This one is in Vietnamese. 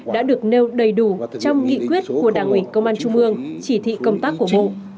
đã được nêu đầy đủ trong nghị quyết của đảng ủy công an trung ương chỉ thị công tác của bộ